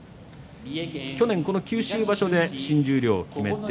去年この九州場所で新十両を決めました。